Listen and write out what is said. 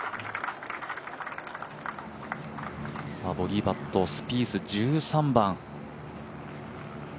さあボギーパット、スピース１３番。